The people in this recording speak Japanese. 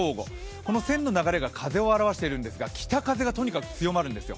この線の流れが風を表しているんですが、風がとにかく強まるんですよ。